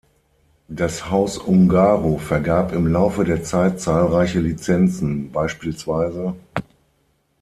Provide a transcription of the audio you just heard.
Das Haus Ungaro vergab im Laufe der Zeit zahlreiche Lizenzen bspw.